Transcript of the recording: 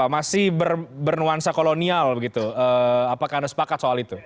masih bernuansa kolonial begitu apakah anda sepakat soal itu